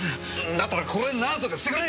だったらこれ何とかしてくれよ！